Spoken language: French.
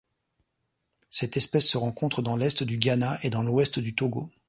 Cette espèce se rencontre dans l'est du Ghana et dans l'ouest du Togo.